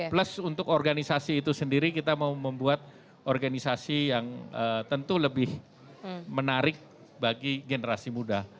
plus untuk organisasi itu sendiri kita mau membuat organisasi yang tentu lebih menarik bagi generasi muda